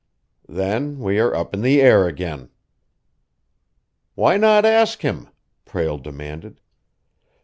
"Then we are up in the air again." "Why not ask him?" Prale demanded.